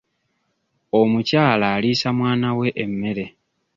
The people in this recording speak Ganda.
Omukyala aliisa mwana we emmere.